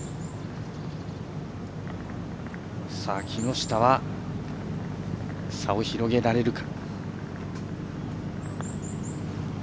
木下は、差を広げられるか。